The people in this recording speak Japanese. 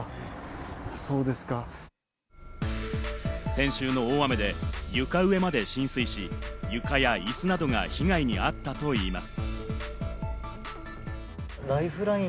先週の大雨で床上まで浸水し、床や椅子などが被害にあったといいます。